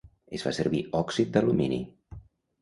Es fa servir òxid d'alumini.